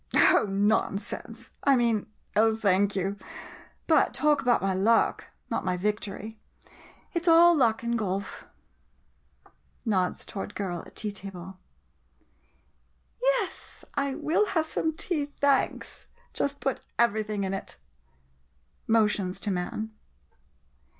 Oh— nonsense! I mean— oh, thank you — but talk about my luck — not my victory. It 's all luck in golf! [Nods toward the girl at tea table.] Yes, I will have some tea, thanks. Just put everything in it! [Motions to man.